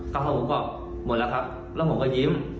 กระเพราหมูกรอบหมดแล้วครับแล้วผมก็ยิ้ม